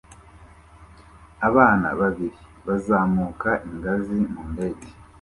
Abana babiri bazamuka ingazi mu ndege